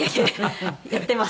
やってます。